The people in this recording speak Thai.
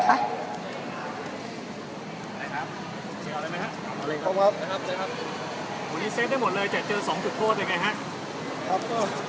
ภูมิเซ็ทได้หมดเลยแต่เจอ๒จุดโทษเป็นไงครับ